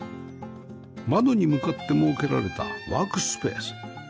窓に向かって設けられたワークスペース